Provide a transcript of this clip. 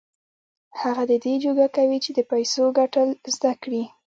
هغه د دې جوګه کوي چې د پيسو ګټل زده کړي.